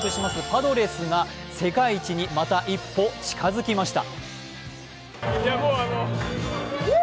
パドレスが世界一にまた一歩、近づきました。